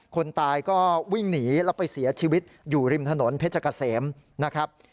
คนตายก็วิ่งหนีแล้วไปเสียชีวิตอยู่ริมถนนเพชรเกษมนะครับ